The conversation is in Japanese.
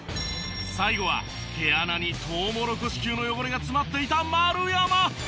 最後は毛穴にトウモロコシ級の汚れが詰まっていた丸山！